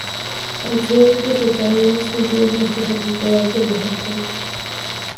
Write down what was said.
Al ser derrotados, huyeron hasta San Nicolás de los Arroyos.